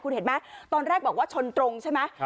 คุณเห็นไหมตอนแรกบอกว่าชนตรงใช่ไหม